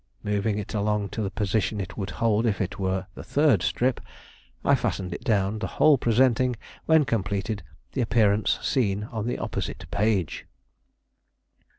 Moving it along to the position it would hold if it were the third strip, I fastened it down; the whole presenting, when completed, the appearance seen on the opposite page.